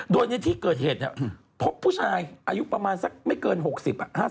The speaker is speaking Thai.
โดยที่เกิดเหตุพบผู้ชายอายุประมาณสักไม่เกินหกสิบ